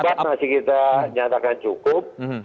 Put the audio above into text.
obat masih kita nyatakan cukup